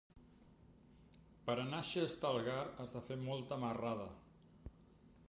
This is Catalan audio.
Per anar a Xestalgar has de fer molta marrada.